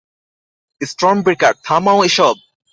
Storm breaker, থামাও এসব!